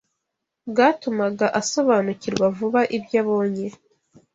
bwatumaga asobanukirwa vuba ibyo abonye